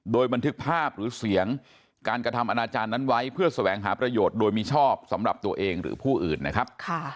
โดยบันทึกภาพหรือเสียงการกระทำอนาจารย์นั้นไว้เพื่อแสวงหาประโยชน์โดยมิชอบสำหรับตัวเองหรือผู้อื่นนะครับ